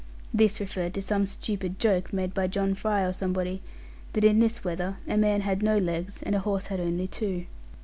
This referred to some stupid joke made by John Fry or somebody, that in this weather a man had no legs, and a horse had only two.